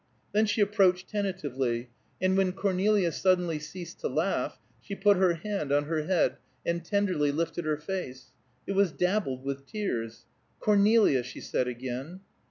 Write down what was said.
Then she approached tentatively, and when Cornelia suddenly ceased to laugh she put her hand on her head, and tenderly lifted her face. It was dabbled with tears. "Cornelia!" she said again.